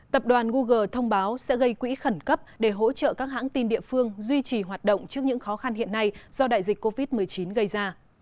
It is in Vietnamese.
tập đoàn google thông báo sẽ gây quỹ khẩn cấp để hỗ trợ các hãng tin địa phương duy trì hoạt động trước những khó khăn hiện nay do đại dịch covid một mươi chín gây ra